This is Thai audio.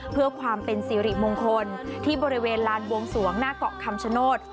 เพื่อความเป็นสิริมงคลที่บริเวณลานบวงสวงหน้าเกาะคำชโนธ